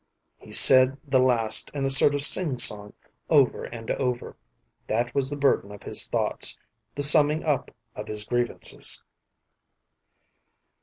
He said the last in a sort of singsong over and over. That was the burden of his thoughts, the summing up of his grievances.